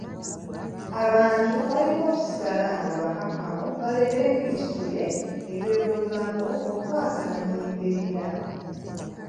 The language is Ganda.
Abantu balina okusigala nga bakkakkamu balekera minisitule y'ebyobulamu okukwasaganya embeera.